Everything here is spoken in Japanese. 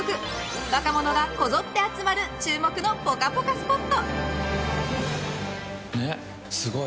若者がこぞって集まる注目のぽかぽかスポット！